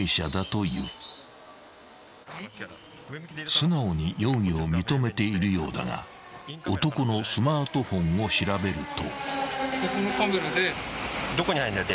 ［素直に容疑を認めているようだが男のスマートフォンを調べると］